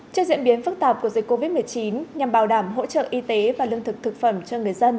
trước diễn biến phức tạp của dịch covid một mươi chín nhằm bảo đảm hỗ trợ y tế và lương thực thực phẩm cho người dân